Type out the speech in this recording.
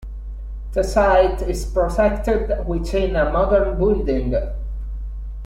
The site is protected within a modern building.